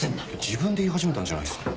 自分で言い始めたんじゃないっすか。